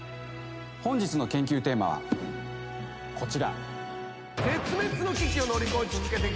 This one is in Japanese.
本日の研究テーマはこちら。